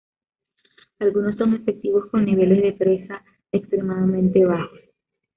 Algunos son efectivos con niveles de presa extremadamente bajos.